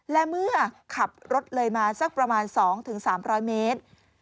และเมื่อขับรถเลยมาสักประมาณ๒๓๐๐เมตร